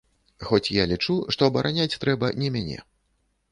Хоць я лічу, што абараняць трэба не мяне.